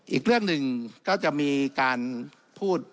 อีกเรื่องหนึ่งก็จะมีการพูด